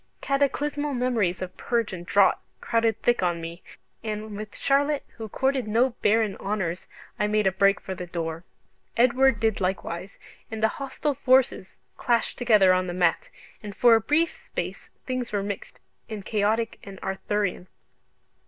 Cataclysmal memories of purge and draught crowded thick on me, and with Charlotte who courted no barren honours I made a break for the door. Edward did likewise, and the hostile forces clashed together on the mat, and for a brief space things were mixed and chaotic and Arthurian.